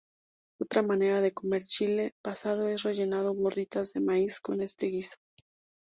Otra manera de comer chile pasado es rellenando gorditas de maíz con este guiso.